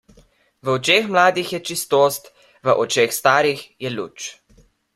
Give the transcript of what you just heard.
V očeh mladih je čistost, v očeh starih je luč.